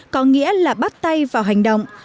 có nghĩa là bắt tay vào hành động